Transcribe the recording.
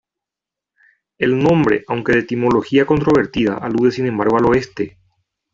El nombre, aunque de etimología controvertida, alude sin embargo al oeste.